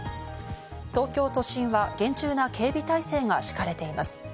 東京都心は厳重な警備体制が敷かれています。